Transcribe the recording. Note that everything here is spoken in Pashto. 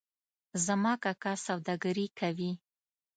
زما کاکا سوداګري کوي